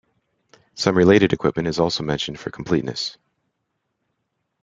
Some related equipment is also mentioned for completeness.